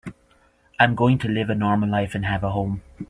I'm going to live a normal life and have a home.